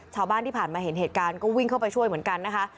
ชาวบ้านที่ผ่านมาเห็นเหตุการณ์ก็วิ่งเข้าไปช่วยเหมือนกันนะคะ